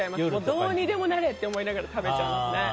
どうにでもなれ！って思いながら食べちゃいますね。